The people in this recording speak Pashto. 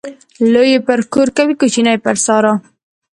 لوى يې پر کور کوي ، کوچنى يې پر سارا.